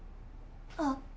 あっ。